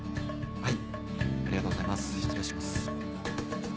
はい。